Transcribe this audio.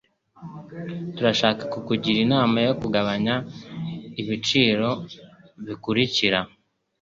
Turashaka kukugira inama yo kugabanya ibiciro bikurikira.